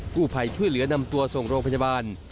ผู้ภัยช่วยเหลือนำตัวส่งโรงพยาบาล